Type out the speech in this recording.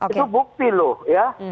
itu bukti lho ya